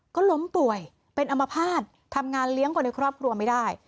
ก็ล้มป่วยเป็นอมภาษณ์ทำงานเลี้ยงคนในครอบครัวไม่ได้